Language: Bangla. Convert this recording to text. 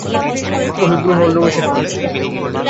ওষুধগুলো হলরুমে শেষ প্রান্তে!